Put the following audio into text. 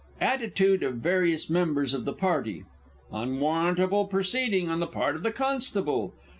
[Attitude of various members of the party. Unwarrantable proceeding on the part of the Constable.